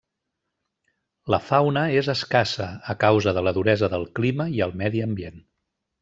La fauna és escassa, a causa de la duresa del clima i el medi ambient.